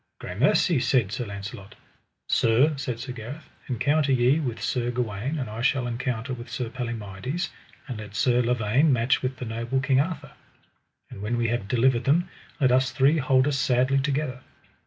Gramercy, said Sir Launcelot. Sir, said Sir Gareth, encounter ye with Sir Gawaine, and I shall encounter with Sir Palomides; and let Sir Lavaine match with the noble King Arthur. And when we have delivered them, let us three hold us sadly together.